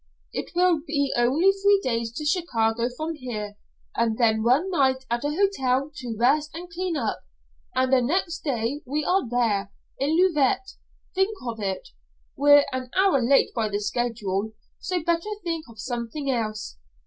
"It will be only three days to Chicago from here, and then one night at a hotel to rest and clean up, and the next day we are there in Leauvite think of it! We're an hour late by the schedule, so better think of something else.